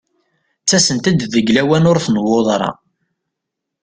Ttasent-d deg lawan ur tnewwuḍ ara.